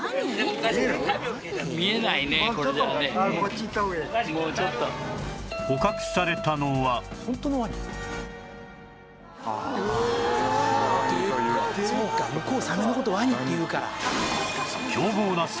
向こうサメの事ワニって言うから」